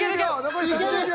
残り３０秒。